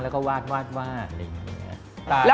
แล้วก็วาดอะไรอย่างนี้